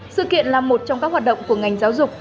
sự kiện là một trong các hoạt động của ngành giáo dục